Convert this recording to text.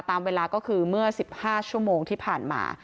ตามเวลาก็คือเมื่อ๑๕ชั่วโมงที่ผ่านมา